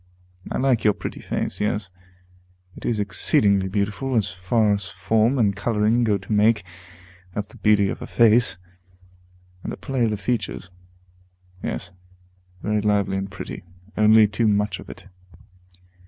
I like your pretty face; yes, it is exceedingly beautiful, as far as form and coloring go to make up the beauty of a face. And the play of the features, yes, very lively and pretty, only too much of it.